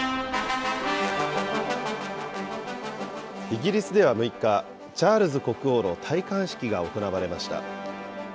イギリスでは６日、チャールズ国王の戴冠式が行われました。